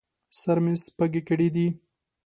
سر مې سپږې کړي دي